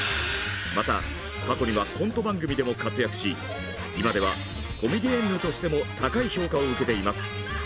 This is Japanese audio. また過去にはコント番組でも活躍し今ではコメディエンヌとしても高い評価を受けています。